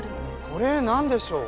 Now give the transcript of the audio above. これなんでしょう？